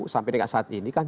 sampai dengan saat ini kan